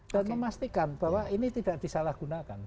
dan memastikan bahwa ini tidak disalahgunakan